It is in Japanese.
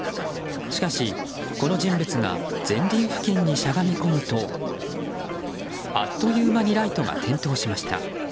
しかし、この人物が前輪付近にしゃがみ込むとあっという間にライトが点灯しました。